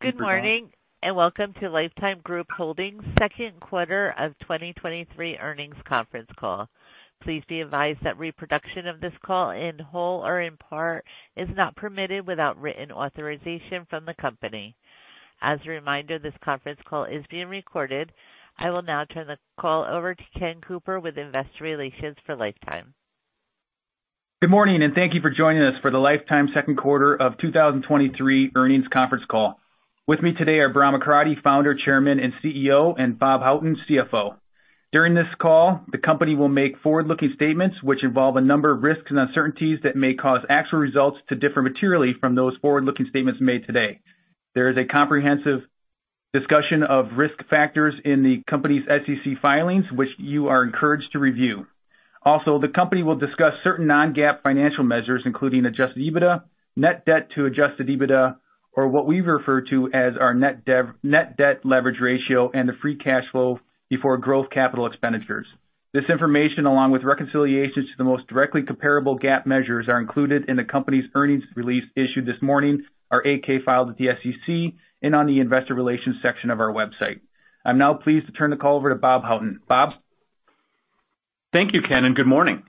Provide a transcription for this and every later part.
Good morning, welcome to Life Time Group Holdings' second quarter of 2023 earnings conference call. Please be advised that reproduction of this call, in whole or in part, is not permitted without written authorization from the company. As a reminder, this conference call is being recorded. I will now turn the call over to Ken Cooper with Investor Relations for Life Time. Good morning. Thank you for joining us for the Life Time second quarter of 2023 earnings conference call. With me today are Bahram Akradi, Founder, Chairman, and CEO, and Bob Houghton, CFO. During this call, the company will make forward-looking statements, which involve a number of risks and uncertainties that may cause actual results to differ materially from those forward-looking statements made today. There is a comprehensive discussion of risk factors in the company's SEC filings, which you are encouraged to review. The company will discuss certain non-GAAP financial measures, including Adjusted EBITDA, net debt to Adjusted EBITDA, or what we refer to as our net debt leverage ratio and the free cash flow before growth capital expenditures. This information, along with reconciliations to the most directly comparable GAAP measures, are included in the company's earnings release issued this morning, our 8-K filed with the SEC, and on the investor relations section of our website. I'm now pleased to turn the call over to Bob Houghton. Bob? Thank you, Ken. Good morning.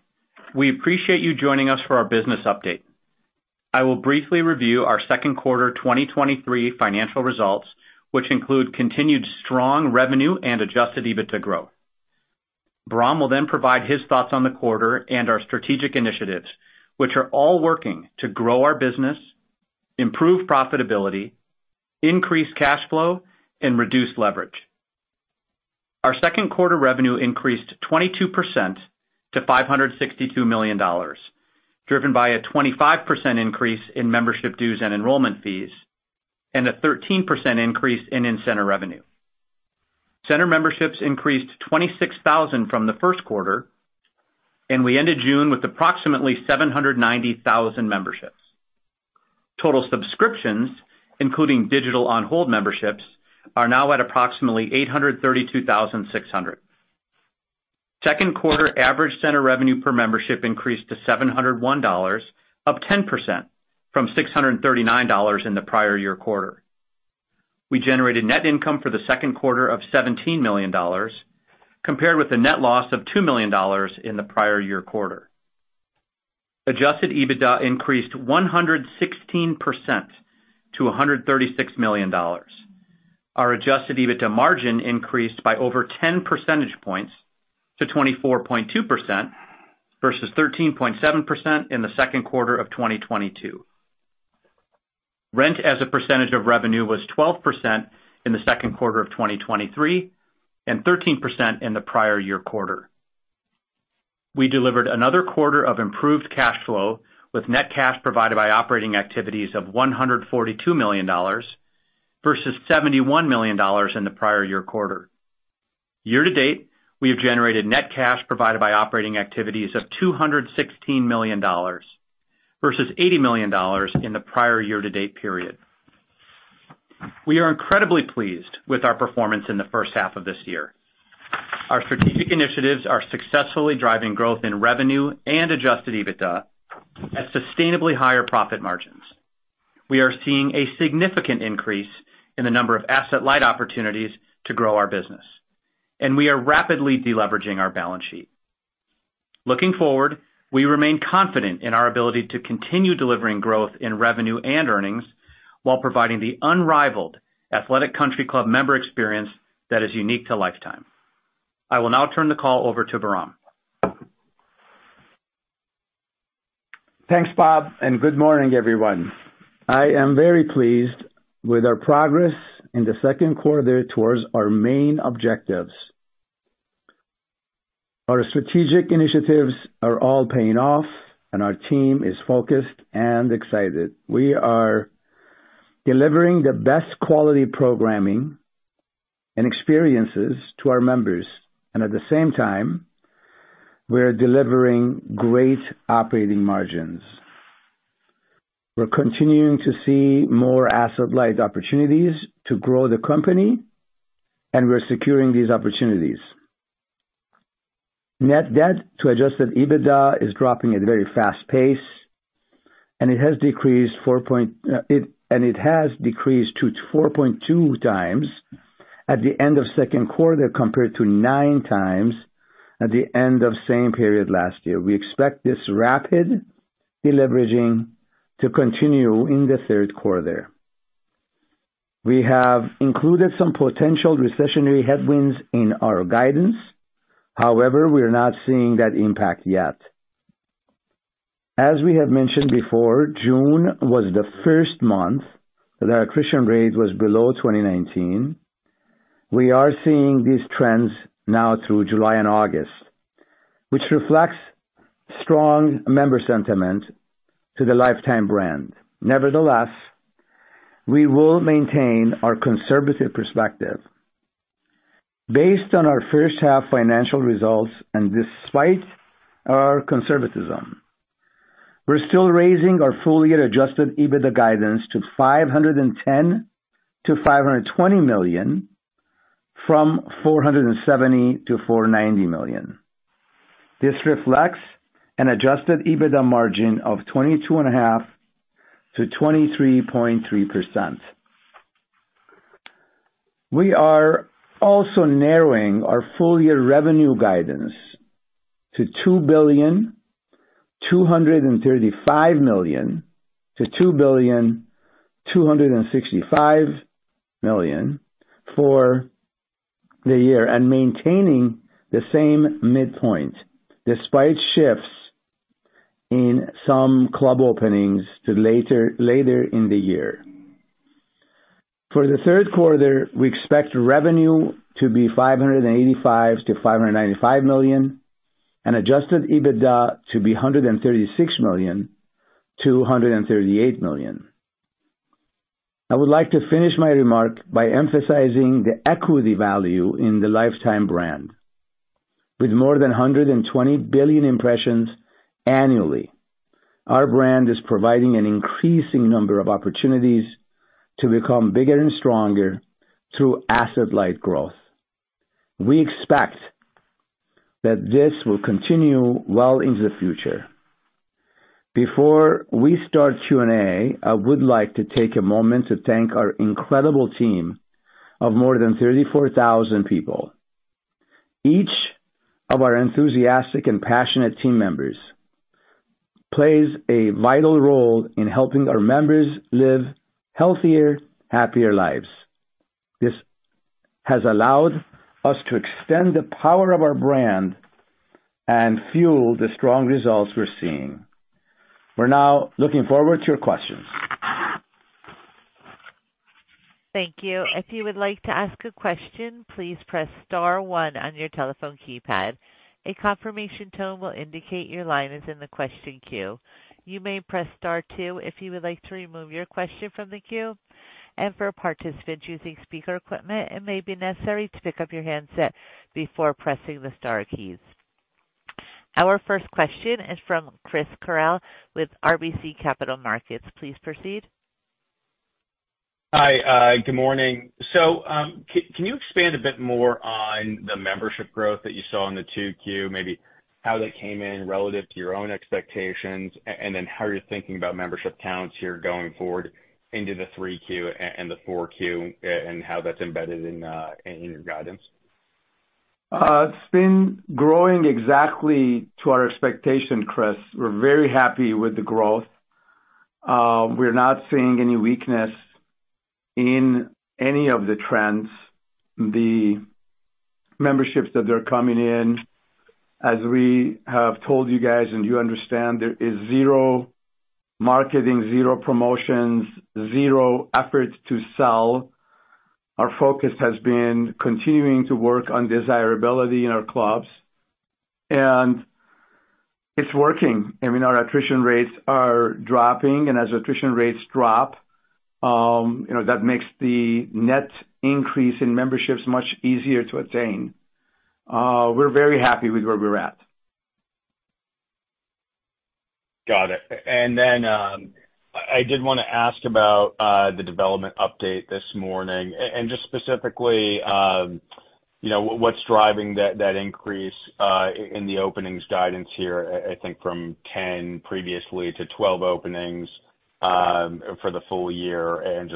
We appreciate you joining us for our business update. I will briefly review our second quarter 2023 financial results, which include continued strong revenue and Adjusted EBITDA growth. Bahram will provide his thoughts on the quarter and our strategic initiatives, which are all working to grow our business, improve profitability, increase cash flow, and reduce leverage. Our second quarter revenue increased 22% to $562 million, driven by a 25% increase in membership dues and enrollment fees, and a 13% increase in in-center revenue. Center memberships increased 26,000 from the first quarter, and we ended June with approximately 790,000 memberships. Total subscriptions, including digital on-hold memberships, are now at approximately 832,600. Second quarter average center revenue per membership increased to $701, up 10% from $639 in the prior year quarter. We generated net income for the second quarter of $17 million, compared with a net loss of $2 million in the prior year quarter. Adjusted EBITDA increased 116% to $136 million. Our Adjusted EBITDA margin increased by over 10 percentage points to 24.2% versus 13.7% in the second quarter of 2022. Rent as a percentage of revenue was 12% in the second quarter of 2023, and 13% in the prior year quarter. We delivered another quarter of improved cash flow, with net cash provided by operating activities of $142 million versus $71 million in the prior year quarter. Year to date, we have generated net cash provided by operating activities of $216 million versus $80 million in the prior year-to-date period. We are incredibly pleased with our performance in the first half of this year. Our strategic initiatives are successfully driving growth in revenue and Adjusted EBITDA at sustainably higher profit margins. We are seeing a significant increase in the number of asset-light opportunities to grow our business, and we are rapidly deleveraging our balance sheet. Looking forward, we remain confident in our ability to continue delivering growth in revenue and earnings while providing the unrivaled athletic country club member experience that is unique to Life Time. I will now turn the call over to Bahram. Thanks, Bob. Good morning, everyone. I am very pleased with our progress in the second quarter towards our main objectives. Our strategic initiatives are all paying off and our team is focused and excited. We are delivering the best quality programming and experiences to our members, and at the same time, we're delivering great operating margins. We're continuing to see more asset-light opportunities to grow the company, and we're securing these opportunities. Net debt to Adjusted EBITDA is dropping at a very fast pace, and it has decreased to 4.2 times at the end of second quarter, compared to nine times at the end of same period last year. We expect this rapid deleveraging to continue in the third quarter. We have included some potential recessionary headwinds in our guidance. However, we are not seeing that impact yet. As we have mentioned before, June was the first month that our attrition rate was below 2019. We are seeing these trends now through July and August, which reflects strong member sentiment to the Life Time brand. Nevertheless, we will maintain our conservative perspective. Based on our first half financial results and despite our conservatism, we're still raising our full-year Adjusted EBITDA guidance to $510 million-$520 million, from $470 million-$490 million. This reflects an Adjusted EBITDA margin of 22.5%-23.3%. We are also narrowing our full year revenue guidance to $2.235 billion-$2.265 billion for the year, and maintaining the same midpoint, despite shifts in some club openings to later in the year. For the third quarter, we expect revenue to be $585 million-$595 million, and Adjusted EBITDA to be $136 million-$138 million. I would like to finish my remark by emphasizing the equity value in the Life Time brand. With more than 120 billion impressions annually, our brand is providing an increasing number of opportunities to become bigger and stronger through asset-light growth. We expect that this will continue well into the future. Before we start Q&A, I would like to take a moment to thank our incredible team of more than 34,000 people. Each of our enthusiastic and passionate team members plays a vital role in helping our members live healthier, happier lives. This has allowed us to extend the power of our brand and fuel the strong results we're seeing. We're now looking forward to your questions. Thank you. If you would like to ask a question, please press star one on your telephone keypad. A confirmation tone will indicate your line is in the question queue. You may press star two if you would like to remove your question from the queue. For participants using speaker equipment, it may be necessary to pick up your handset before pressing the star keys. Our first question is from Chris Carril with RBC Capital Markets. Please proceed. Hi, good morning. Can you expand a bit more on the membership growth that you saw in the 2Q? Maybe how that came in relative to your own expectations, and then how you're thinking about membership counts here going forward into the 3Q and the 4Q, and how that's embedded in your guidance? It's been growing exactly to our expectation, Chris. We're very happy with the growth. We're not seeing any weakness in any of the trends. The memberships that are coming in, as we have told you guys, and you understand, there is zero marketing, zero promotions, zero efforts to sell. Our focus has been continuing to work on desirability in our clubs. It's working. I mean, our attrition rates are dropping. As attrition rates drop, you know, that makes the net increase in memberships much easier to attain. We're very happy with where we're at. Got it. Then, I did want to ask about the development update this morning, and just specifically, you know, what's driving that increase in the openings guidance here, I think from 10 previously to 12 openings for the full year?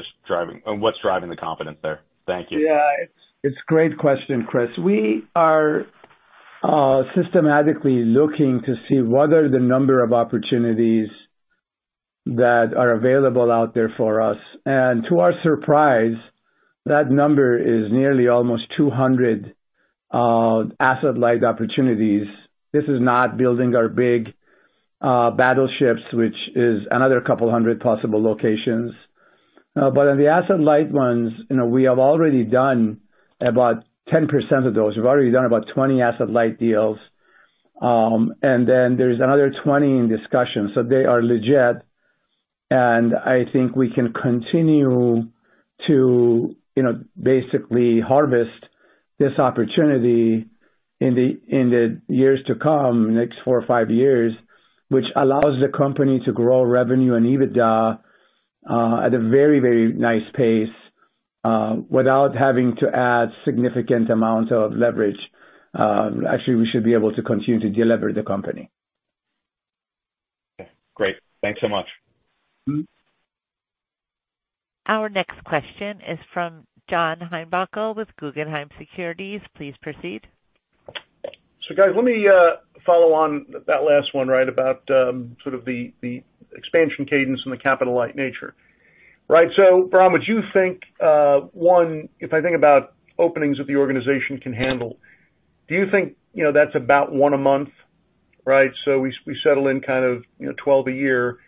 What's driving the confidence there? Thank you. Yeah, it's a great question, Chris. We are systematically looking to see what are the number of opportunities that are available out there for us. To our surprise, that number is nearly almost 200 asset-light opportunities. This is not building our big battleships, which is another couple hundred possible locations. On the asset-light ones, you know, we have already done about 10% of those. We've already done about 20 asset-light deals, there's another 20 in discussion. They are legit, I think we can continue to, you know, basically harvest this opportunity in the years to come, next four or five years, which allows the company to grow revenue and EBITDA at a very, very nice pace without having to add significant amounts of leverage. Actually, we should be able to continue to delever the company. Great. Thanks so much. Mm-hmm. Our next question is from John Heinbockel with Guggenheim Securities. Please proceed. Guys, let me follow on that last one, right, about sort of the expansion cadence and the capital light nature. Right. Bahram, would you think one, if I think about openings that the organization can handle, do you think, you know, that's about one a month? Right, so we settle in kind of, you know, 12 a year.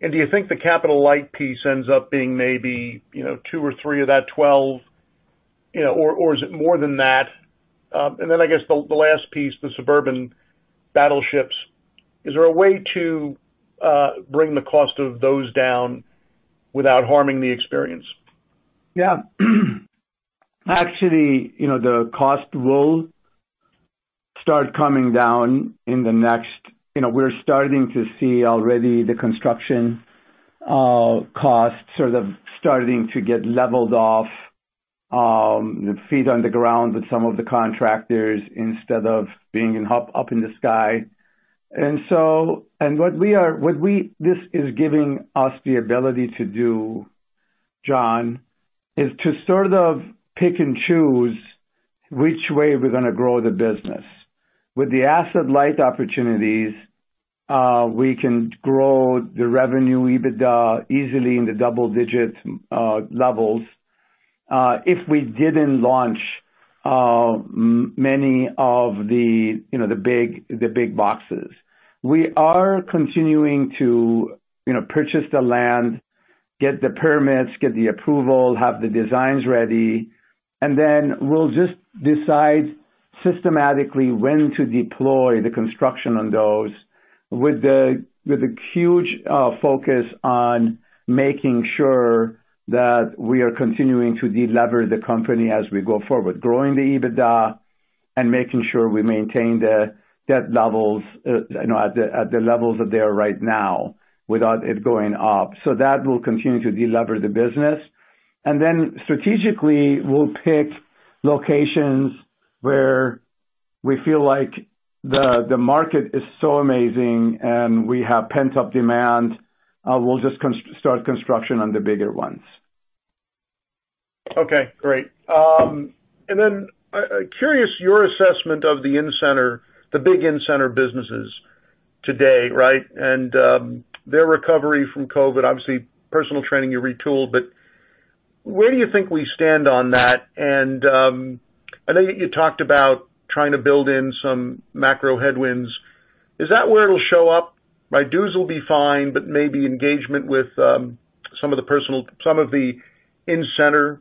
Do you think the capital light piece ends up being maybe, you know, two or three of that 12? You know, or is it more than that? Then I guess the last piece, the suburban battleships. Is there a way to bring the cost of those down without harming the experience? Yeah. Actually, you know, the cost will start coming down in the next. You know, we're starting to see already the construction costs sort of starting to get leveled off. Feet on the ground with some of the contractors instead of being up in the sky. This is giving us the ability to do, John, is to sort of pick and choose which way we're gonna grow the business. With the asset-light opportunities, we can grow the revenue EBITDA easily in the double-digit levels, if we didn't launch many of the, you know, the big boxes. We are continuing to, you know, purchase the land, get the permits, get the approval, have the designs ready, and then we'll just decide systematically when to deploy the construction on those, with the, with a huge focus on making sure that we are continuing to delever the company as we go forward, growing the EBITDA and making sure we maintain the debt levels, you know, at the, at the levels that they are right now, without it going up. That will continue to delever the business. Strategically, we'll pick locations where we feel like the market is so amazing and we have pent-up demand, we'll just start construction on the bigger ones. Okay, great. Curious, your assessment of the in-center, the big in-center businesses today, right? Their recovery from COVID, obviously, personal training, you retooled, but where do you think we stand on that? I know that you talked about trying to build in some macro headwinds. Is that where it'll show up? My dues will be fine, but maybe engagement with some of the in-center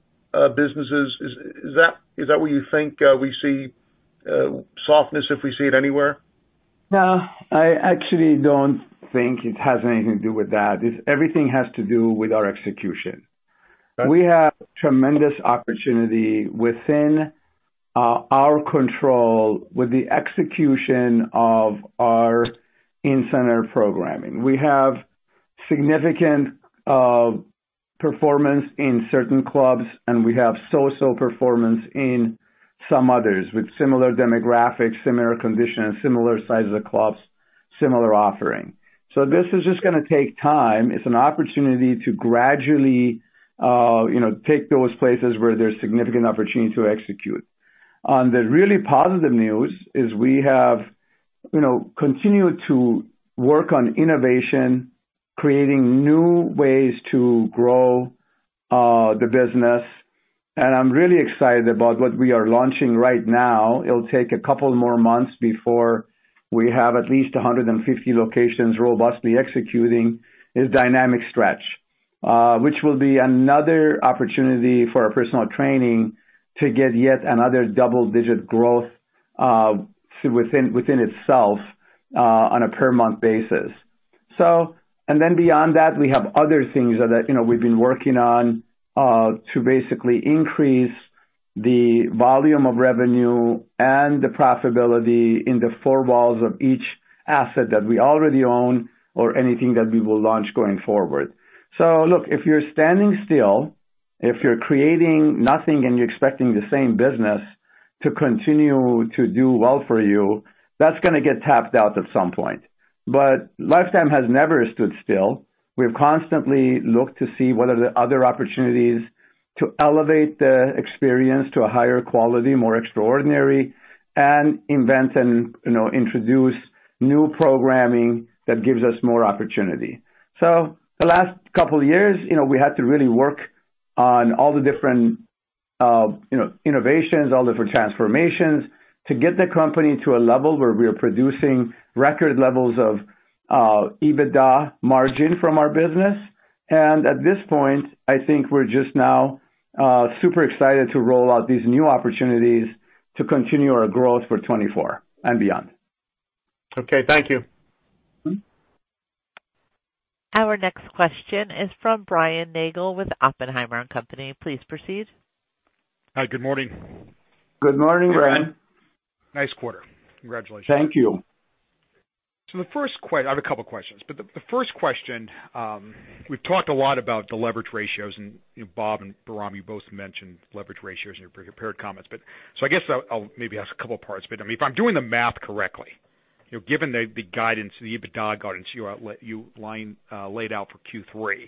businesses. Is that, is that where you think we see softness, if we see it anywhere? No, I actually don't think it has anything to do with that. It's everything has to do with our execution. Okay. We have tremendous opportunity within our control with the execution of our in-center programming. We have significant performance in certain clubs, and we have so-so performance in some others, with similar demographics, similar conditions, similar sizes of clubs, similar offering. This is just gonna take time. It's an opportunity to gradually, you know, take those places where there's significant opportunity to execute. On the really positive news, is we have, you know, continued to work on innovation, creating new ways to grow the business, and I'm really excited about what we are launching right now. It'll take a couple more months before we have at least 150 locations robustly executing, is Dynamic Stretch, which will be another opportunity for our personal training to get yet another double-digit growth within itself on a per month basis. And then beyond that, we have other things that, you know, we've been working on to basically increase the volume of revenue and the profitability in the four walls of each asset that we already own or anything that we will launch going forward. If you're standing still, if you're creating nothing and you're expecting the same business to continue to do well for you, that's gonna get tapped out at some point. Life Time has never stood still. We've constantly looked to see what are the other opportunities to elevate the experience to a higher quality, more extraordinary, and invent and, you know, introduce new programming that gives us more opportunity. The last couple of years, you know, we had to really work on all the different, you know, innovations, all the different transformations to get the company to a level where we are producing record levels of EBITDA margin from our business. At this point, I think we're just now super excited to roll out these new opportunities to continue our growth for 2024 and beyond. Okay, thank you. Mm-hmm. Our next question is from Brian Nagel with Oppenheimer & Co.. Please proceed. Hi, good morning. Good morning, Brian. Nice quarter. Congratulations. Thank you. The first I have a couple questions, but the first question, we've talked a lot about the leverage ratios and, you know, Bob and Bahram, you both mentioned leverage ratios in your prepared comments. I guess I'll maybe ask a couple parts. I mean, if I'm doing the math correctly, you know, given the guidance, the EBITDA guidance, you laid out for Q3,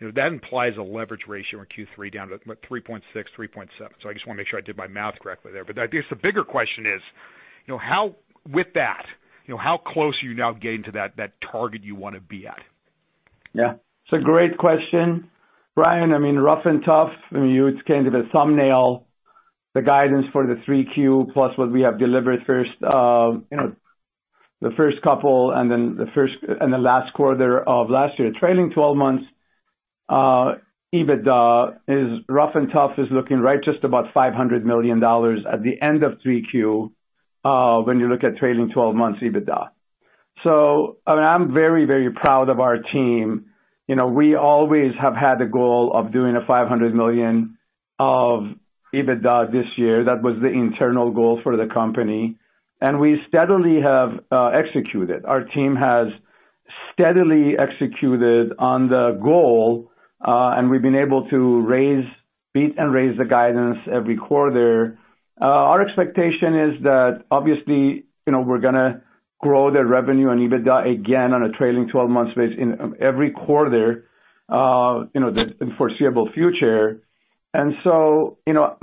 you know, that implies a leverage ratio in Q3 down to about 3.6, 3.7. I just wanna make sure I did my math correctly there. I guess the bigger question is, you know, how... With that, you know, how close are you now getting to that target you want to be at? Yeah. It's a great question, Brian. rough and tough, you kind of a thumbnail the guidance for the 3Q, plus what we have delivered first, you know, the first couple and then the first, and the last quarter of last year. Trailing twelve months EBITDA is, rough and tough, is looking right just about $500 million at the end of 3Q, when you look at trailing twelve months EBITDA. I'm very, very proud of our team. You know, we always have had the goal of doing a $500 million of EBITDA this year. That was the internal goal for the company, we steadily have executed. Our team steadily executed on the goal, we've been able to raise, beat, and raise the guidance every quarter. Our expectation is that obviously, you know, we're gonna grow the revenue and EBITDA again on a trailing twelve months base in every quarter, you know, the foreseeable future. You know,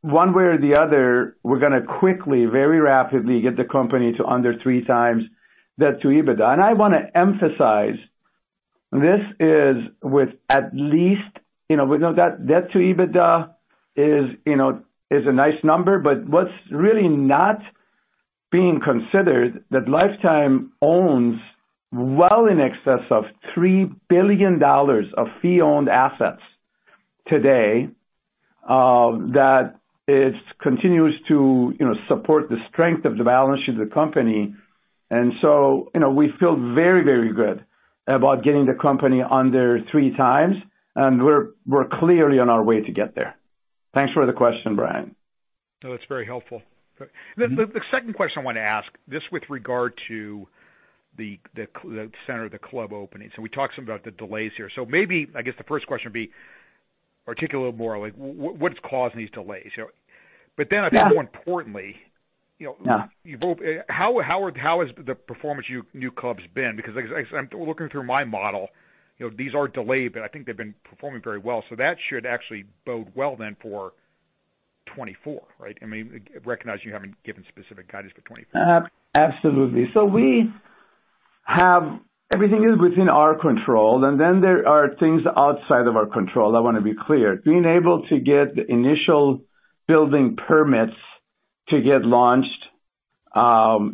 one way or the other, we're gonna quickly, very rapidly get the company to under three times to EBITDA. I wanna emphasize, this is with at least, you know, we know that debt to EBITDA is, you know, is a nice number, but what's really not being considered, that Life Time owns well in excess of $3 billion of fee-owned assets today, that it continues to, you know, support the strength of the balance sheet of the company. You know, we feel very, very good about getting the company under three times, and we're clearly on our way to get there. Thanks for the question, Brian. No, it's very helpful. The second question I wanted to ask, this with regard to the center of the club openings. We talked some about the delays here. Maybe I guess the first question would be, articulate a little more, like, what is causing these delays? You know, I think more importantly- Yeah. You know, how has the performance new clubs been? As I'm looking through my model, you know, these are delayed, but I think they've been performing very well, that should actually bode well for 2024, right? I mean, recognize you haven't given specific guidance for 2024. Absolutely. Everything is within our control, and then there are things outside of our control, I want to be clear. Being able to get the initial building permits to get launched,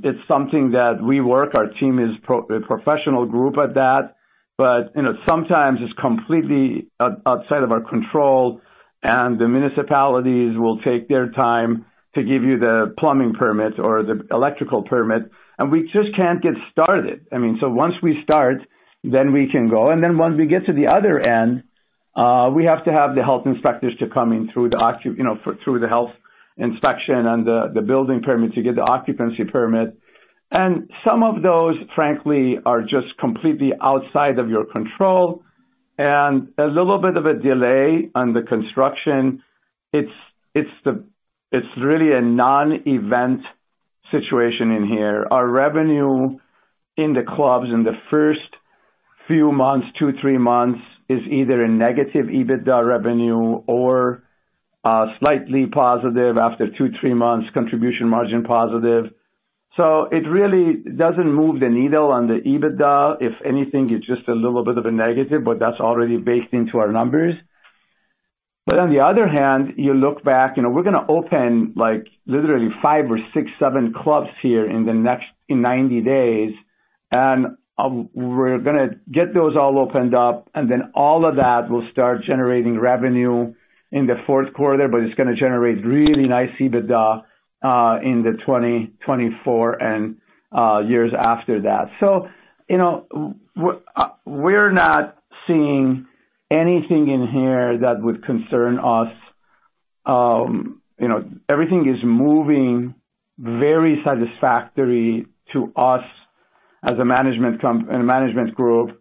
it's something that we work, our team is a professional group at that, but, you know, sometimes it's completely outside of our control, and the municipalities will take their time to give you the plumbing permit or the electrical permit, and we just can't get started. I mean, once we start, then we can go, and then once we get to the other end, we have to have the health inspectors to come in you know, through the health inspection and the building permit to get the occupancy permit. Some of those, frankly, are just completely outside of your control. A little bit of a delay on the construction, it's really a non-event situation in here. Our revenue in the clubs in the first few months, two, three months, is either a negative EBITDA revenue or slightly positive after two, three months, contribution margin positive. It really doesn't move the needle on the EBITDA. If anything, it's just a little bit of a negative, but that's already baked into our numbers. On the other hand, you look back, you know, we're gonna open, like, literally five or six, seven clubs here in 90 days, we're gonna get those all opened up, and then all of that will start generating revenue in the fourth quarter, but it's gonna generate really nice EBITDA in 2024 and years after that. You know, we're not seeing anything in here that would concern us. You know, everything is moving very satisfactory to us as a management group,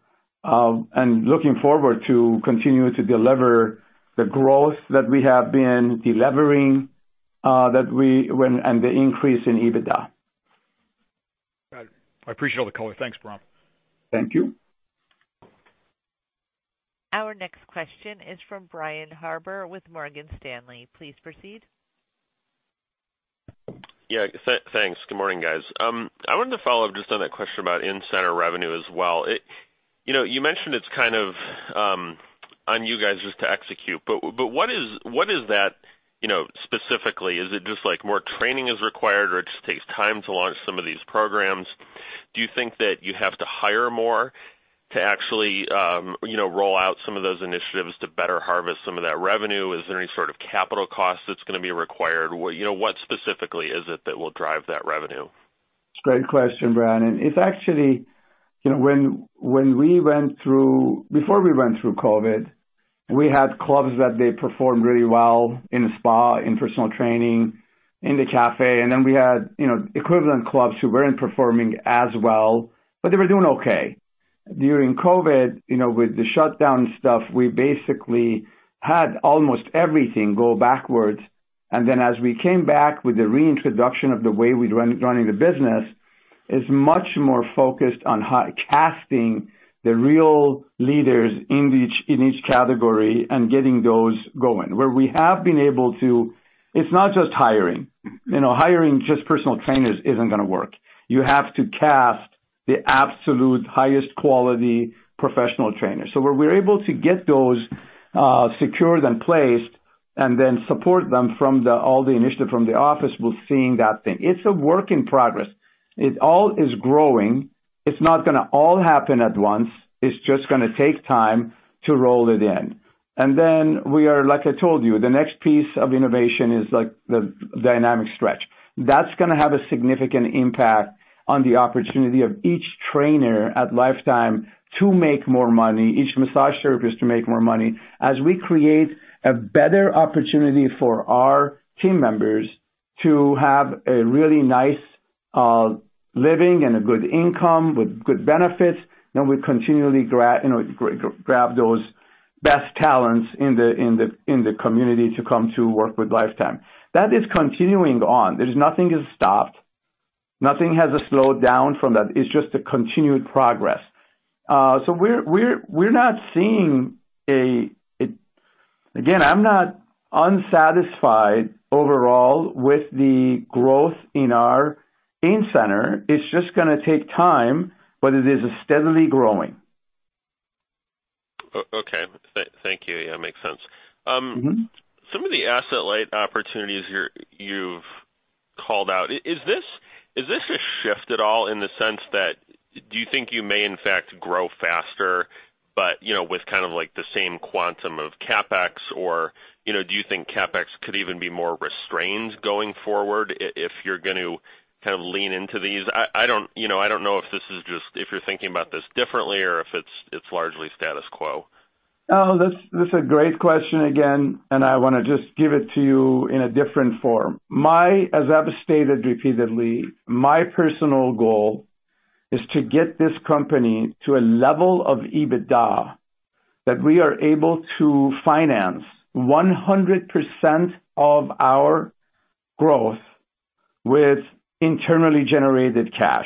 and looking forward to continue to deliver the growth that we have been delivering, and the increase in EBITDA. Got it. I appreciate all the color. Thanks, Bahram. Thank you. Our next question is from Brian Harbour with Morgan Stanley. Please proceed. Thanks. Good morning, guys. I wanted to follow up just on that question about in-center revenue as well. You know, you mentioned it's kind of on you guys just to execute, but what is that, you know, specifically? Is it just like more training is required, or it just takes time to launch some of these programs? Do you think that you have to hire more to actually, you know, roll out some of those initiatives to better harvest some of that revenue? Is there any sort of capital cost that's gonna be required? You know, what specifically is it that will drive that revenue? Great question, Brian. It's actually, you know, when Before we went through COVID, we had clubs that they performed really well in the spa, in personal training, in the cafe, and then we had, you know, equivalent clubs who weren't performing as well, but they were doing okay. During COVID, you know, with the shutdown stuff, we basically had almost everything go backwards, and then as we came back with the reintroduction of the way we running the business, is much more focused on casting the real leaders in each category and getting those going. It's not just hiring. You know, hiring just personal trainers isn't gonna work. You have to cast the absolute highest quality professional trainers. Where we're able to get those secured and placed, and then support them from all the initiative from the office, we're seeing that thing. It's a work in progress. It all is growing. It's not gonna all happen at once. It's just gonna take time to roll it in. We are, like I told you, the next piece of innovation is like the Dynamic Stretch. That's gonna have a significant impact on the opportunity of each trainer at Life Time to make more money, each massage therapist to make more money. As we create a better opportunity for our team members to have a really nice living and a good income with good benefits, then we continually, you know, grab those best talents in the community to come to work with Life Time. That is continuing on. There is nothing has stopped, nothing has slowed down from that. It's just a continued progress. Again, I'm not unsatisfied overall with the growth in our game center. It's just gonna take time, but it is steadily growing. Okay. Thank you. Yeah, makes sense. Mm-hmm. Some of the asset-light opportunities you've called out, is this a shift at all in the sense that do you think you may in fact grow faster, but, you know, with kind of like the same quantum of CapEx? You know, do you think CapEx could even be more restrained going forward if you're going to kind of lean into these? You know, I don't know if this is just, if you're thinking about this differently or if it's largely status quo. Oh, that's a great question again, and I wanna just give it to you in a different form. As I've stated repeatedly, my personal goal is to get this company to a level of EBITDA that we are able to finance 100% of our growth with internally generated cash.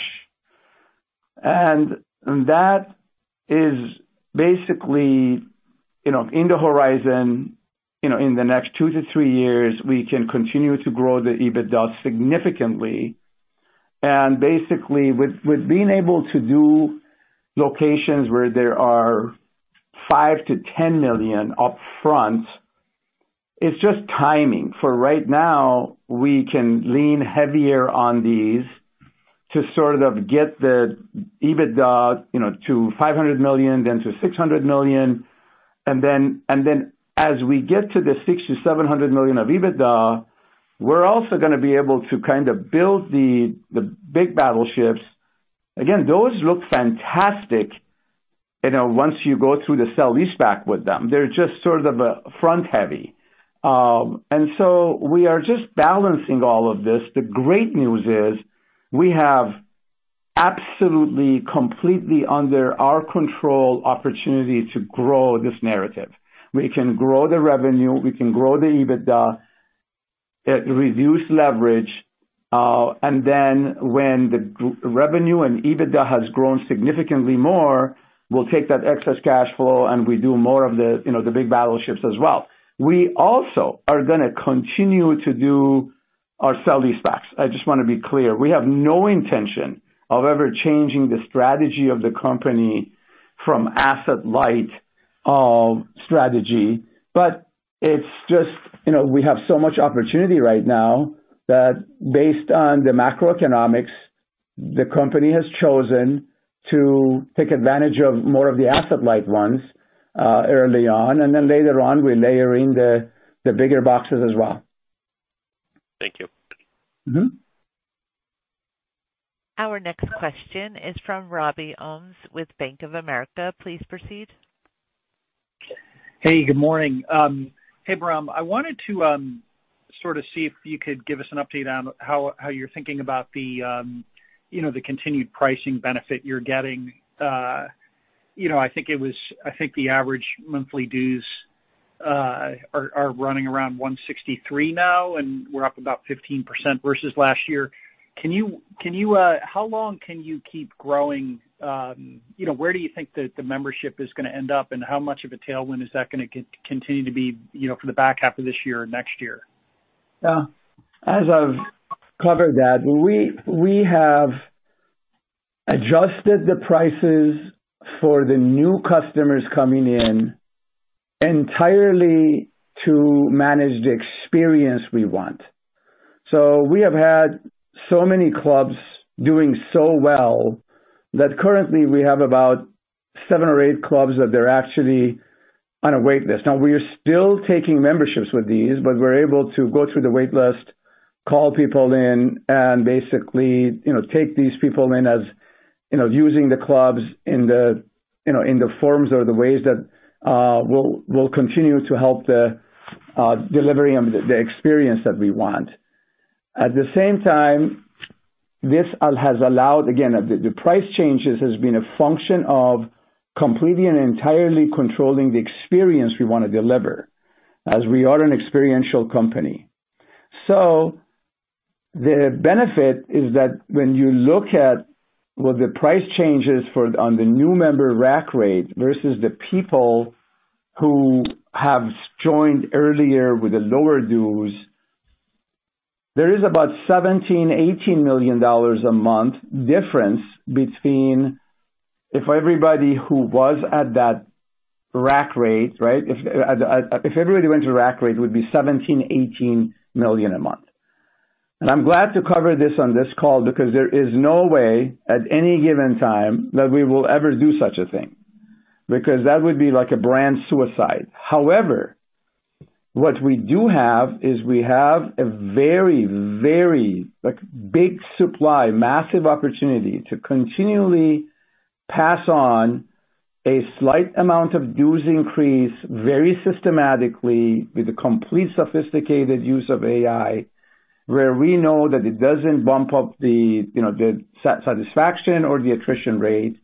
That is basically, you know, in the horizon. You know, in the next two to three years, we can continue to grow the EBITDA significantly. Basically, with being able to do locations where there are $5 million-$10 million upfront, it's just timing. For right now, we can lean heavier on these to sort of get the EBITDA, you know, to $500 million, then to $600 million, and then as we get to the $60 million-$700 million of EBITDA, we're also gonna be able to kind of build the big battleships. Again, those look fantastic, you know, once you go through the sale-leaseback with them. They're just sort of, front heavy. We are just balancing all of this. The great news is, we have absolutely, completely under our control, opportunity to grow this narrative. We can grow the revenue, we can grow the EBITDA, reduce leverage, and then when the revenue and EBITDA has grown significantly more, we'll take that excess cash flow, and we do more of the, you know, the big battleships as well. We also are gonna continue to do our sale-leasebacks. I just want to be clear. We have no intention of ever changing the strategy of the company from asset-light strategy, but it's just, you know, we have so much opportunity right now that based on the macroeconomics, the company has chosen to take advantage of more of the asset-light ones early on, and then later on, we layer in the bigger boxes as well. Thank you. Mm-hmm. Our next question is from Robbie Ohmes, with Bank of America. Please proceed. Hey, good morning. Hey, Bahram, I wanted to sort of see if you could give us an update on how you're thinking about the continued pricing benefit you're getting. I think the average monthly dues are running around $163 now, and we're up about 15% versus last year. Can you how long can you keep growing? Where do you think the membership is gonna end up, and how much of a tailwind is that gonna continue to be for the back half of this year or next year? As I've covered that, we have adjusted the prices for the new customers coming in entirely to manage the experience we want. We have had so many clubs doing so well, that currently we have about seven or eight clubs that they're actually on a wait list. We are still taking memberships with these, but we're able to go through the wait list, call people in, and basically, you know, take these people in as, you know, using the clubs in the, you know, in the forms or the ways that will continue to help the delivery and the experience that we want. This has allowed, again, the price changes has been a function of completely and entirely controlling the experience we want to deliver, as we are an experiential company. The benefit is that when you look at what the price changes on the new member rack rate versus the people who have joined earlier with the lower dues, there is about $17 million-$18 million a month difference between if everybody who was at that rack rate, right? If everybody went to rack rate, it would be $17 million-$18 million a month. I'm glad to cover this on this call because there is no way, at any given time, that we will ever do such a thing, because that would be like a brand suicide. However, what we do have is we have a very, very, like, big supply, massive opportunity to continually pass on... a slight amount of dues increase very systematically with a complete sophisticated use of AI, where we know that it doesn't bump up the, you know, the satisfaction or the attrition rate.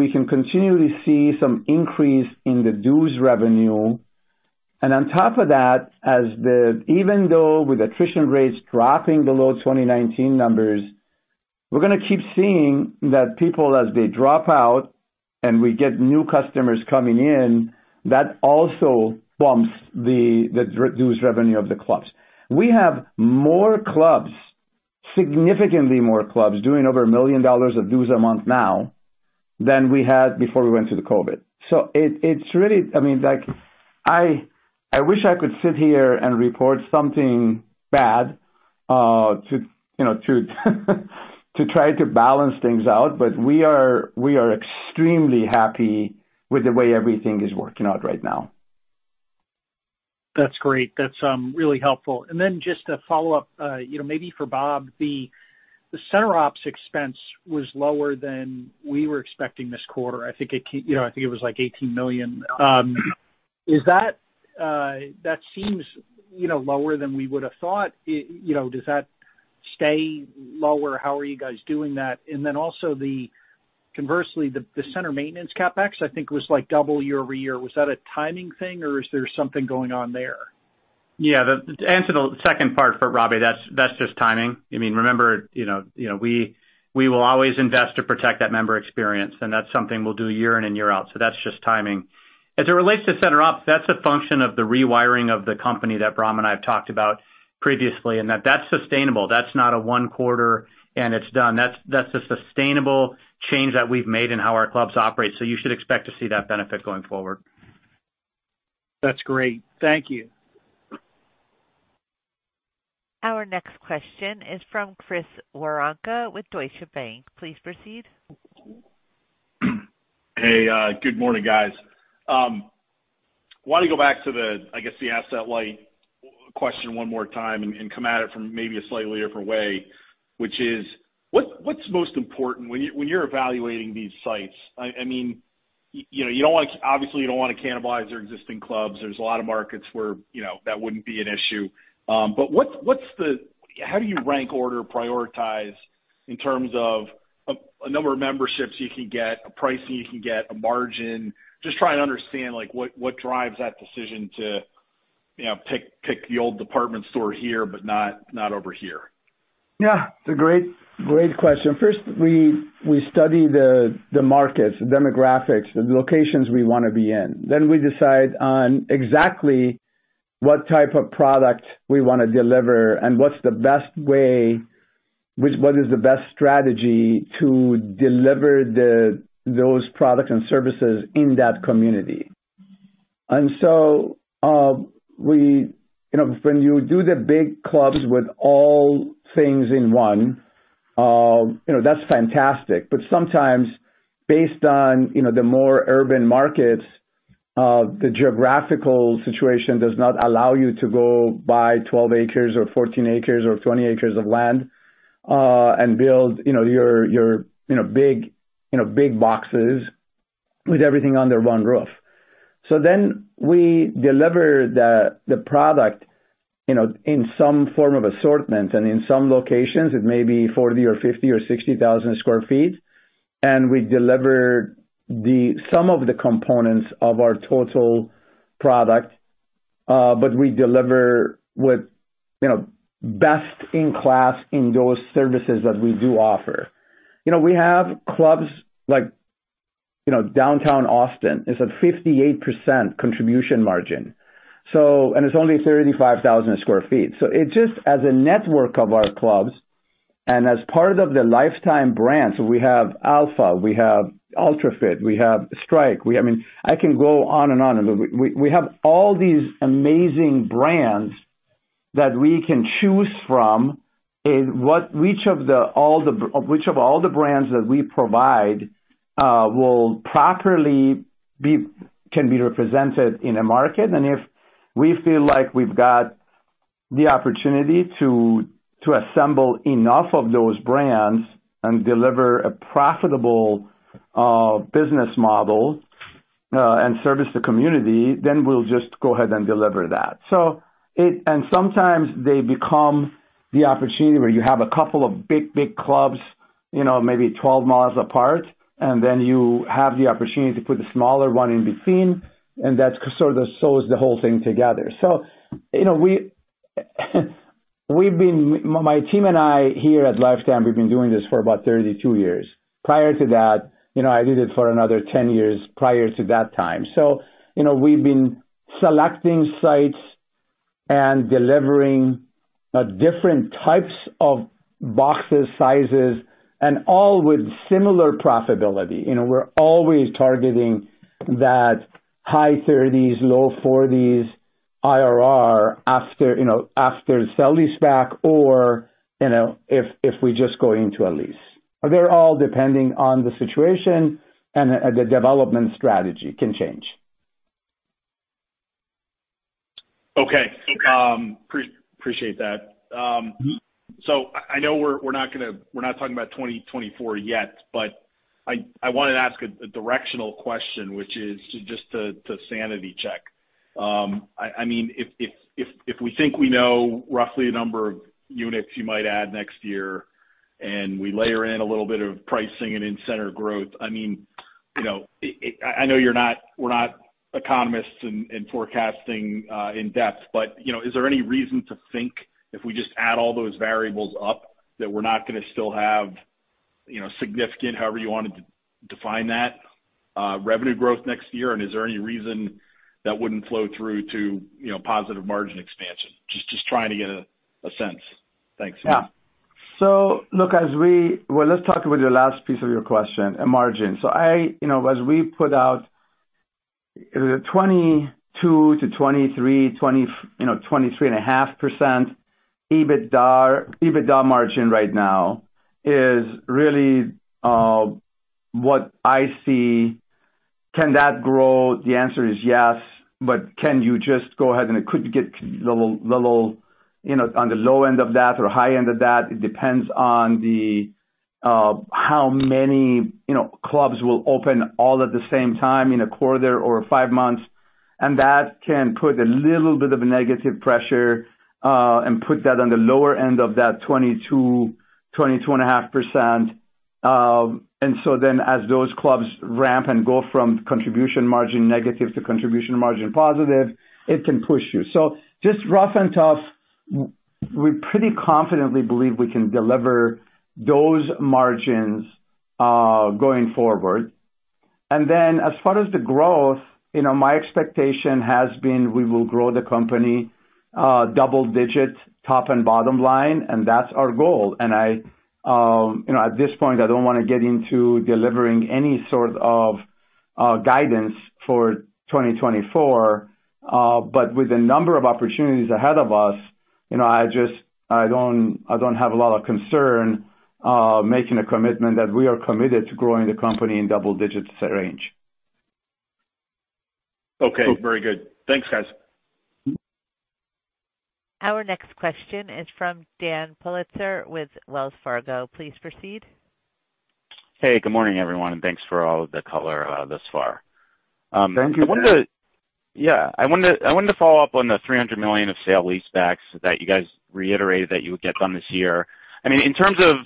We can continually see some increase in the dues revenue. On top of that, even though with attrition rates dropping below 2019 numbers, we're gonna keep seeing that people, as they drop out and we get new customers coming in, that also bumps the dues revenue of the clubs. We have more clubs, significantly more clubs, doing over $1 million of dues a month now than we had before we went through the COVID. It's really... I mean, like, I wish I could sit here and report something bad, to, you know, to try to balance things out, but we are extremely happy with the way everything is working out right now. That's great. That's really helpful. Just to follow up, you know, maybe for Bob, the center OpEx was lower than we were expecting this quarter. I think it was, like, $18 million. Is that seems, you know, lower than we would have thought. You know, does that stay lower? How are you guys doing that? Also, conversely, the center maintenance CapEx, I think, was, like, double year-over-year. Was that a timing thing, or is there something going on there? Yeah, to answer the second part for Robbie Ohmes, that's just timing. I mean, remember, you know, we will always invest to protect that member experience, and that's something we'll do year in and year out, so that's just timing. As it relates to center OpEx, that's a function of the rewiring of the company that Bram and I have talked about previously, and that's sustainable. That's not a one quarter, and it's done. That's a sustainable change that we've made in how our clubs operate. You should expect to see that benefit going forward. That's great. Thank you. Our next question is from Chris Woronka with Deutsche Bank. Please proceed. Good morning, guys. I want to go back to the, I guess, the asset-light question one more time and come at it from maybe a slightly different way, which is, what's most important when you're evaluating these sites? I mean, you know, you don't want to obviously, you don't want to cannibalize your existing clubs. There's a lot of markets where, you know, that wouldn't be an issue. How do you rank, order, prioritize in terms of a number of memberships you can get, a pricing you can get, a margin? Just trying to understand, like, what drives that decision to, you know, pick the old department store here but not over here. Yeah, it's a great question. First, we study the markets, the demographics, the locations we want to be in. We decide on exactly what type of product we want to deliver and what's the best way, what is the best strategy to deliver those products and services in that community. You know, when you do the big clubs with all things in one, you know, that's fantastic. Sometimes based on, you know, the more urban markets, the geographical situation does not allow you to go buy 12 acres or 14 acres or 20 acres of land, and build, you know, your, you know, big, you know, big boxes with everything under one roof. We deliver the product, you know, in some form of assortment, and in some locations, it may be 40 or 50 or 60,000 sq ft, and we deliver some of the components of our total product, but we deliver with, you know, best-in-class in those services that we do offer. You know, we have clubs like, you know, downtown Austin, is a 58% contribution margin, so. It's only 35,000 sq ft. It just, as a network of our clubs and as part of the Life Time brand, so we have Alpha, we have Ultra Fit, we have Strike, we have. I mean, I can go on and on. We have all these amazing brands that we can choose from, and which of all the brands that we provide will properly can be represented in a market. If we feel like we've got the opportunity to assemble enough of those brands and deliver a profitable business model and service the community, then we'll just go ahead and deliver that. Sometimes they become the opportunity where you have a couple of big clubs, you know, maybe 12 miles apart, and then you have the opportunity to put a smaller one in between, and that sort of sews the whole thing together. You know, my team and I here at Life Time, we've been doing this for about 32 years. Prior to that, you know, I did it for another 10 years prior to that time. You know, we've been selecting sites and delivering different types of boxes, sizes, and all with similar profitability. You know, we're always targeting that high thirties, low forties, IRR after, you know, after sale-leaseback or, you know, if we just go into a lease. They're all depending on the situation and the development strategy can change. Appreciate that. I know we're not talking about 2024 yet, but I wanna ask a directional question, which is just to sanity check. I mean, if, if we think we know roughly the number of units you might add next year, and we layer in a little bit of pricing and in-center growth, I mean, you know, I know we're not economists in forecasting, in depth, but, you know, is there any reason to think if we just add all those variables up, that we're not gonna still have, you know, significant, however you want to define that, revenue growth next year? Is there any reason that wouldn't flow through to, you know, positive margin expansion? Just trying to get a sense. Thanks. Yeah. Look, as we... Well, let's talk about the last piece of your question, margin. I, you know, as we put out, the 22%-23%, you know, 23.5%, EBITDA margin right now is really, what I see. Can that grow? The answer is yes, but can you just go ahead and it could get little, you know, on the low end of that or high end of that? It depends on the, how many, you know, clubs will open all at the same time in a quarter or five months, and that can put a little bit of a negative pressure, and put that on the lower end of that 22%-22.5%. As those clubs ramp and go from contribution margin negative to contribution margin positive, it can push you. Just rough and tough, we pretty confidently believe we can deliver those margins going forward. As far as the growth, you know, my expectation has been we will grow the company double digits, top and bottom line, and that's our goal. I, you know, at this point, I don't wanna get into delivering any sort of guidance for 2024. With the number of opportunities ahead of us, you know, I don't have a lot of concern making a commitment that we are committed to growing the company in double digits range. Okay. Very good. Thanks, guys. Our next question is from Dan Politzer with Wells Fargo. Please proceed. Hey, good morning, everyone. Thanks for all of the color, thus far. Thank you, Dan. Yeah, I wanted to follow up on the $300 million of sale-leasebacks that you guys reiterated that you would get done this year. I mean, in terms of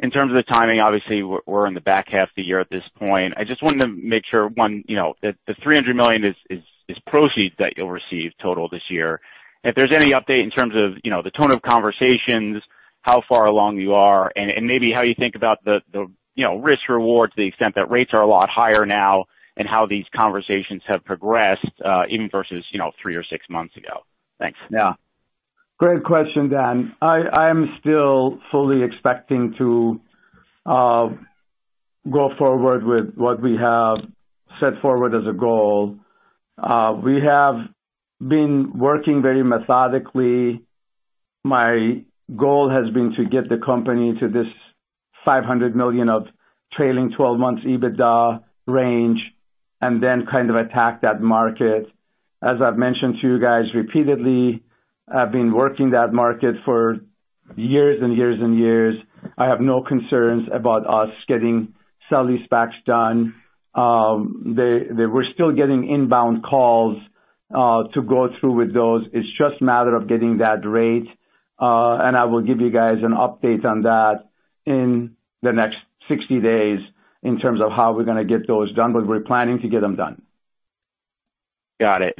the timing, obviously we're in the back half of the year at this point. I just wanted to make sure, one, you know, that the $300 million is proceeds that you'll receive total this year. If there's any update in terms of, you know, the tone of conversations, how far along you are, and maybe how you think about the, you know, risk reward to the extent that rates are a lot higher now and how these conversations have progressed even versus, you know, three or six months ago. Thanks. Yeah. Great question, Dan. I am still fully expecting to go forward with what we have set forward as a goal. We have been working very methodically. My goal has been to get the company to this $500 million of trailing twelve months EBITDA range, and then kind of attack that market. As I've mentioned to you guys repeatedly, I've been working that market for years and years and years. I have no concerns about us getting sale-leasebacks done. They we're still getting inbound calls to go through with those. It's just a matter of getting that rate. I will give you guys an update on that in the next 60 days in terms of how we're gonna get those done, but we're planning to get them done. Got it.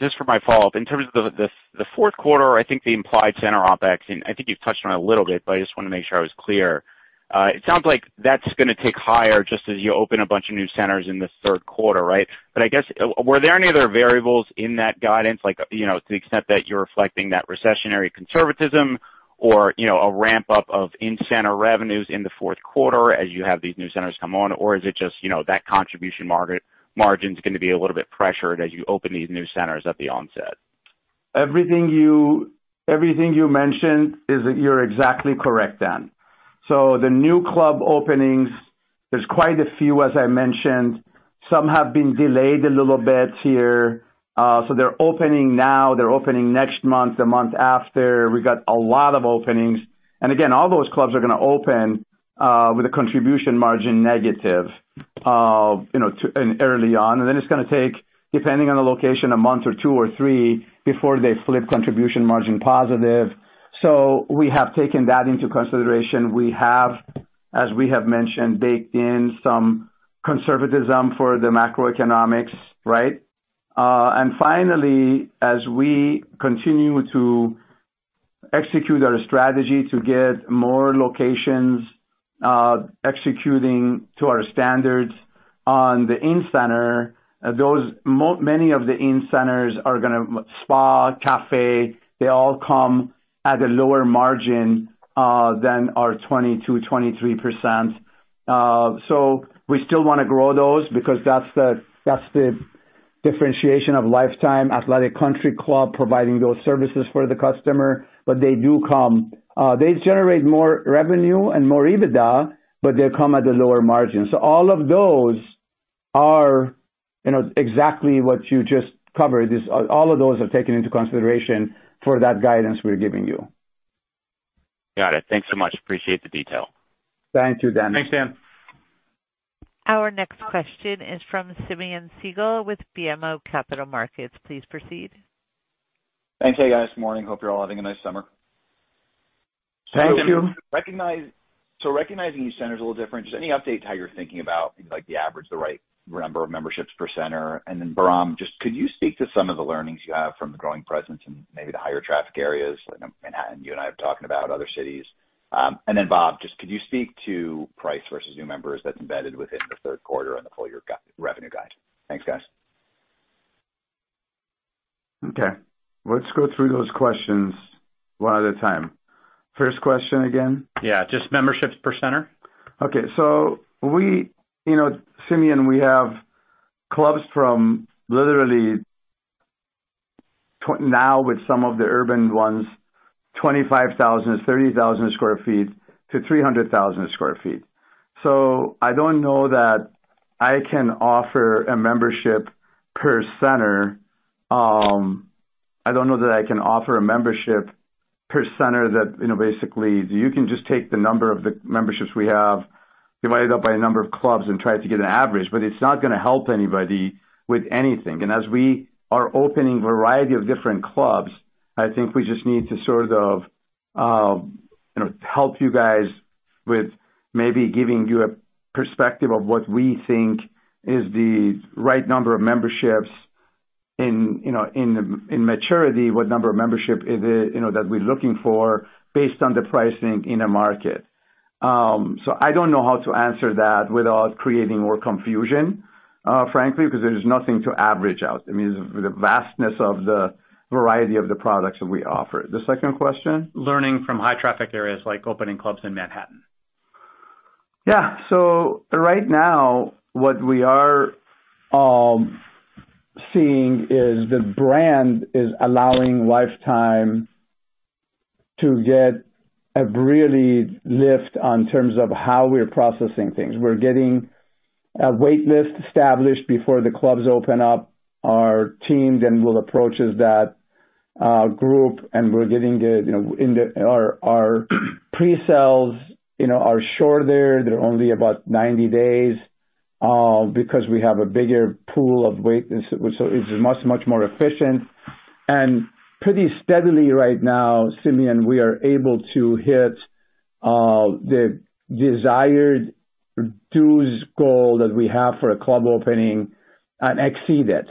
Just for my follow-up, in terms of the fourth quarter, I think the implied center OpEx, and I think you've touched on it a little bit, but I just wanna make sure I was clear. It sounds like that's gonna tick higher just as you open a bunch of new centers in this third quarter, right? I guess, were there any other variables in that guidance, like, you know, to the extent that you're reflecting that recessionary conservatism or, you know, a ramp-up of in-center revenues in the fourth quarter as you have these new centers come on? Is it just, you know, that contribution margin's gonna be a little bit pressured as you open these new centers at the onset? Everything you mentioned is, you're exactly correct, Dan. The new club openings, there's quite a few, as I mentioned. Some have been delayed a little bit here, so they're opening now, they're opening next month, the month after. We got a lot of openings. Again, all those clubs are gonna open with a contribution margin negative, you know, early on, and then it's gonna take, depending on the location, a month or two or three before they flip contribution margin positive. We have taken that into consideration. We have, as we have mentioned, baked in some conservatism for the macroeconomics, right? Finally, as we continue to execute our strategy to get more locations, executing to our standards on the in-center, those many of the in-centers are gonna spa, cafe, they all come at a lower margin than our 22%-23%. We still wanna grow those because that's the differentiation of Life Time Athletic Country Club, providing those services for the customer. They do come. They generate more revenue and more EBITDA, but they come at a lower margin. All of those are, you know, exactly what you just covered. Is all of those are taken into consideration for that guidance we're giving you. Got it. Thanks so much. Appreciate the detail. Thank you, Dan. Thanks, Dan. Our next question is from Simeon Siegel with BMO Capital Markets. Please proceed. Thanks. Hey, guys. Morning. Hope you're all having a nice summer. Thank you. Recognizing each center is a little different, just any update to how you're thinking about, like, the average, the right number of memberships per center? Bahram, just could you speak to some of the learnings you have from the growing presence in maybe the higher traffic areas like Manhattan, you and I have talked about other cities. Bob, just could you speak to price versus new members that's embedded within the third quarter and the full year revenue guide? Thanks, guys. Okay, let's go through those questions one at a time. First question again? Yeah, just memberships per center. Okay. We, you know, Simeon, we have clubs from literally, now with some of the urban ones, 25,000, 30,000 sq ft to 300,000 sq ft. I don't know that I can offer a membership per center that, you know, basically, you can just take the number of the memberships we have, divide it up by a number of clubs and try to get an average, it's not gonna help anybody with anything. As we are opening a variety of different clubs, I think we just need to sort of, you know, help you guys with maybe giving you a perspective of what we think is the right number of memberships in, you know, in maturity, what number of membership is it, you know, that we're looking for based on the pricing in a market. I don't know how to answer that without creating more confusion, frankly, because there's nothing to average out. I mean, the vastness of the variety of the products that we offer. The second question? Learning from high traffic areas like opening clubs in Manhattan. Right now, what we are seeing is the brand is allowing Life Time to get a really lift on terms of how we're processing things. We're getting a wait list established before the clubs open up. Our teams then will approach as that group, and we're getting the, you know, Our pre-sales, you know, are shorter. They're only about 90 days because we have a bigger pool of wait, so it's much, much more efficient. Pretty steadily right now, Simeon, we are able to hit the desired dues goal that we have for a club opening and exceed it.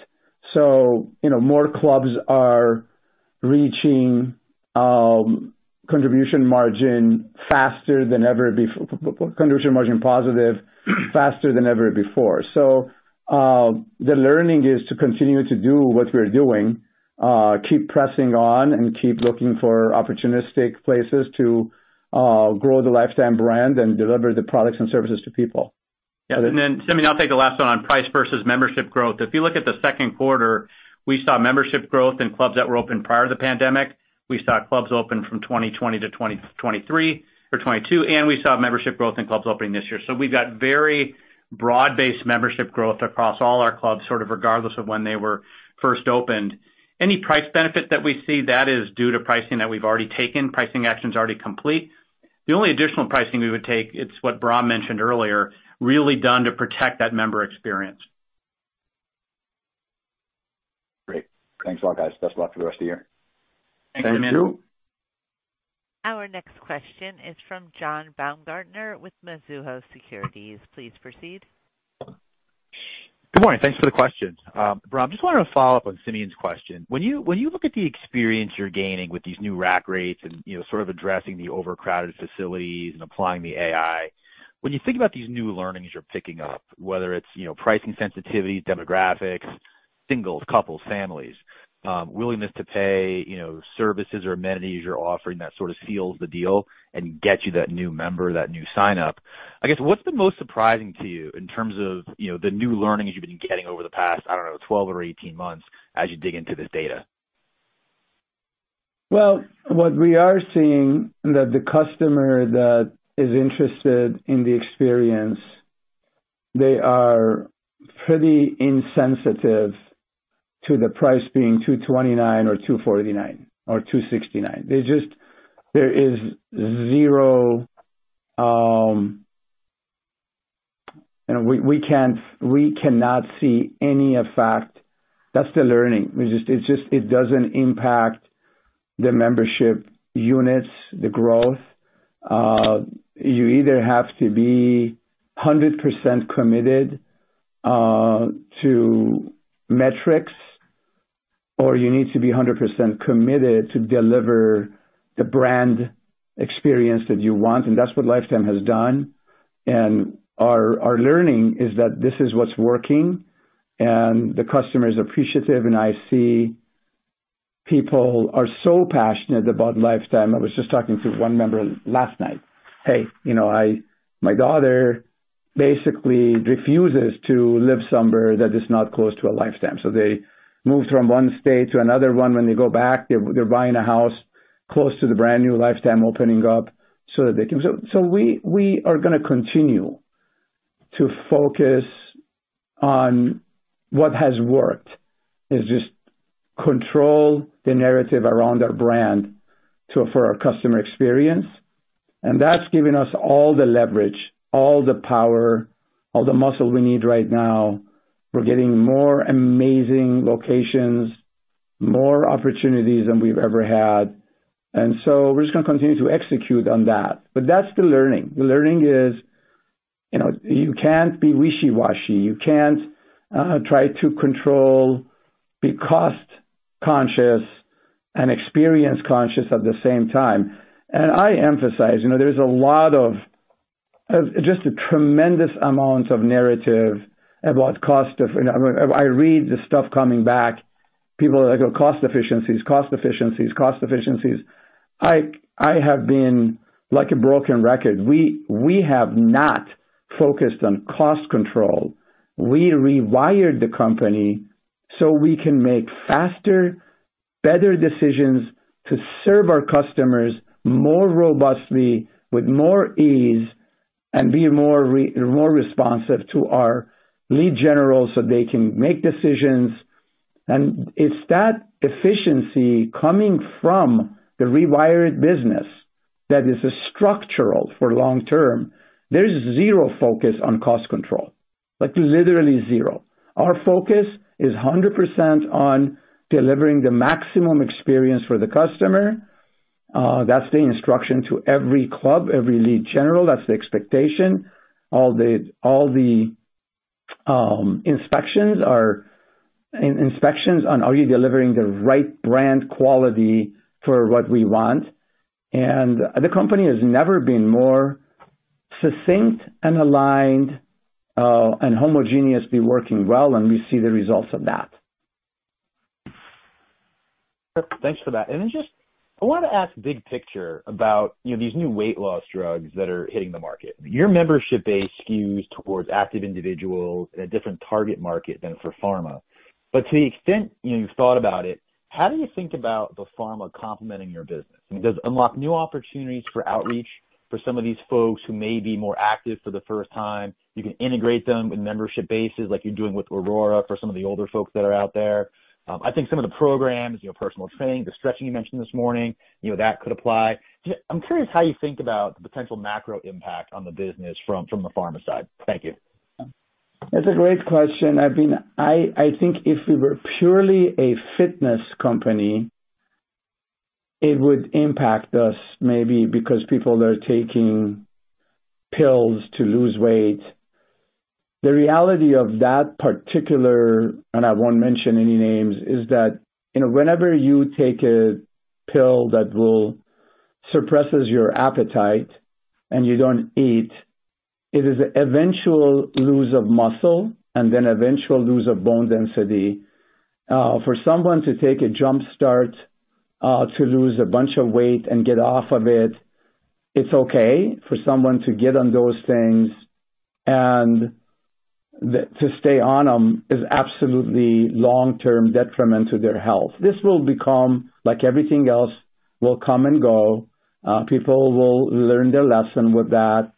You know, more clubs are reaching contribution margin positive, faster than ever before. The learning is to continue to do what we're doing, keep pressing on and keep looking for opportunistic places to grow the Life Time brand and deliver the products and services to people. Yeah, Simeon, I'll take the last one on price versus membership growth. If you look at the second quarter, we saw membership growth in clubs that were open prior to the pandemic. We saw clubs open from 2020 to 2023 or 2022, and we saw membership growth in clubs opening this year. We've got very broad-based membership growth across all our clubs, sort of regardless of when they were first opened. Any price benefit that we see, that is due to pricing that we've already taken, pricing actions already complete. The only additional pricing we would take, it's what Bahram mentioned earlier, really done to protect that member experience. Great. Thanks a lot, guys. Best of luck for the rest of the year. Thank you. Our next question is from John Baumgartner with Mizuho Securities. Please proceed. Good morning. Thanks for the questions. Bahram, just wanted to follow up on Simeon's question. When you look at the experience you're gaining with these new rack rates and, you know, sort of addressing the overcrowded facilities and applying the AI, when you think about these new learnings you're picking up, whether it's, you know, pricing sensitivity, demographics, singles, couples, families, willingness to pay, you know, services or amenities you're offering, that sort of seals the deal and gets you that new member, that new sign-up. I guess, what's the most surprising to you in terms of, you know, the new learnings you've been getting over the past, I don't know, 12 or 18 months as you dig into this data? What we are seeing, that the customer that is interested in the experience, they are pretty insensitive to the price being $229 or $249 or $269. There is zero, you know, we can't, we cannot see any effect. That's the learning. It's just, it doesn't impact the membership units, the growth. You either have to be 100% committed to metrics, or you need to be 100% committed to deliver the brand experience that you want, and that's what Life Time has done. Our, our learning is that this is what's working, and the customer is appreciative, and I see people are so passionate about Life Time. I was just talking to one member last night. Hey, you know, my daughter basically refuses to live somewhere that is not close to a Life Time. They moved from one state to another one. When they go back, they're buying a house, close to the brand new Life Time opening up so that they can. We are going to continue to focus on what has worked, is just control the narrative around our brand to offer our customer experience. That's given us all the leverage, all the power, all the muscle we need right now. We're getting more amazing locations, more opportunities than we've ever had. We're just going to continue to execute on that. That's the learning. The learning is, you know, you can't be wishy-washy. You can't try to control, be cost conscious and experience conscious at the same time. I emphasize, you know, there's a lot of just a tremendous amount of narrative about cost of. I read the stuff coming back, people are like, "Oh, cost efficiencies, cost efficiencies, cost efficiencies." I have been like a broken record. We have not focused on cost control. We rewired the company so we can make faster, better decisions to serve our customers more robustly, with more ease and be more responsive to our lead gen roles, so they can make decisions. It's that efficiency coming from the rewired business that is structural for long term. There's zero focus on cost control, like literally zero. Our focus is 100% on delivering the maximum experience for the customer. That's the instruction to every club, every lead gen role. That's the expectation. All the inspections on, are you delivering the right brand quality for what we want? The company has never been more succinct and aligned and homogeneously working well, and we see the results of that. Thanks for that. Just, I want to ask big picture about, you know, these new weight loss drugs that are hitting the market. Your membership base skews towards active individuals and a different target market than for Pharma. To the extent, you know, you've thought about it, how do you think about the Pharma complementing your business? Does it unlock new opportunities for outreach for some of these folks who may be more active for the first time? You can integrate them with membership bases, like you're doing with ARORA, for some of the older folks that are out there. I think some of the programs, you know, personal training, the stretching you mentioned this morning, you know, that could apply. I'm curious how you think about the potential macro impact on the business from the Pharma side. Thank you. That's a great question. I think if we were purely a fitness company, it would impact us, maybe because people are taking pills to lose weight. The reality of that particular, and I won't mention any names, is that, you know, whenever you take a pill that will suppresses your appetite and you don't eat, it is eventual loss of muscle and then eventual loss of bone density. For someone to take a jump start, to lose a bunch of weight and get off of it's okay for someone to get on those things and to stay on them is absolutely long-term detriment to their health. This will become, like everything else, will come and go. People will learn their lesson with that.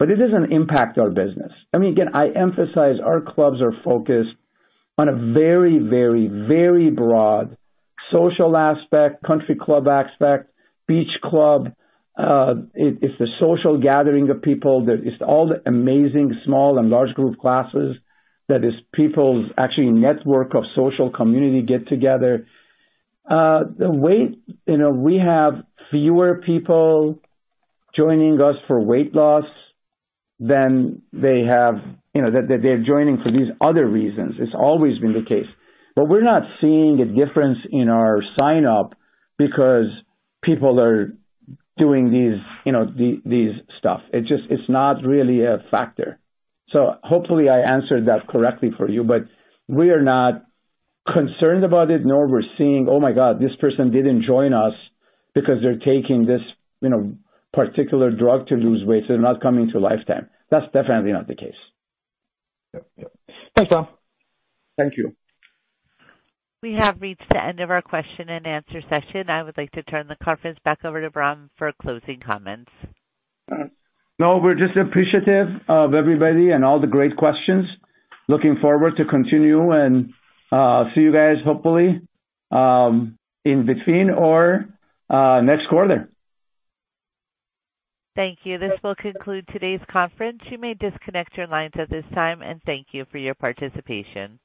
It doesn't impact our business. I mean, again, I emphasize our clubs are focused on a very, very, very broad social aspect, country club aspect, beach club. It's the social gathering of people. There is all the amazing small and large group classes that is people's actually network of social community get-together. The weight, you know, we have fewer people joining us for weight loss than they have, you know, that they're joining for these other reasons. It's always been the case. We're not seeing a difference in our sign-up because people are doing these, you know, these stuff. It's just, it's not really a factor. Hopefully I answered that correctly for you, but we are not concerned about it, nor we're seeing, "Oh, my God, this person didn't join us because they're taking this, you know, particular drug to lose weight, so they're not coming to Life Time." That's definitely not the case. Yep, yep. Thanks, all. Thank you. We have reached the end of our question and answer session. I would like to turn the conference back over to Bahram for closing comments. We're just appreciative of everybody and all the great questions. Looking forward to continue and see you guys hopefully in between or next quarter. Thank you. This will conclude today's conference. You may disconnect your lines at this time, and thank you for your participation.